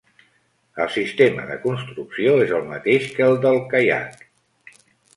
El sistema de construcció és el mateix que el del caiac.